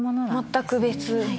全く別。